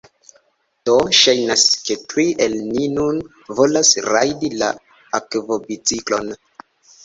Do, ŝajnas, ke tri el ni nun volas rajdi la akvobiciklon